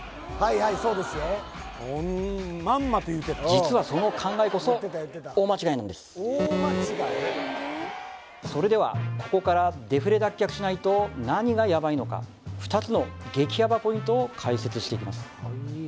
実はその考えこそ大間違いなんですそれではここからデフレ脱却しないと何がヤバいのか２つの激ヤバポイントを解説していきます